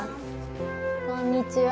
こんにちは。